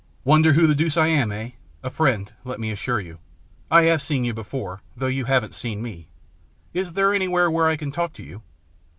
" Wonder who the deuce I am, eh ? A friend, let me assure you. I have seen you before, though you haven't seen me. Is there anywhere where I can talk to you